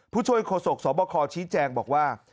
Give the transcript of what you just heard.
ผู้ช่วยโฆษกสบคชี้แจงบอกว่า